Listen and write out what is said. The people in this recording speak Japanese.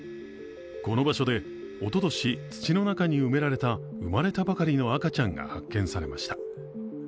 この場所で、おととし土の中に埋められた生まれたばかりの赤ちゃんが発見されました。